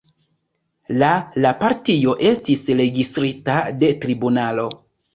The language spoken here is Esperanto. La la partio estis registrita de tribunalo.